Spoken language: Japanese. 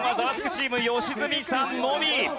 チーム良純さんのみ。